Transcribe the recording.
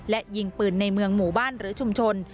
และยิงปืนในเมืองหมู่บ้านหรือชุมชน